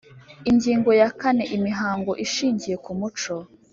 Ingingo ya kane Imihango ishingiye ku muco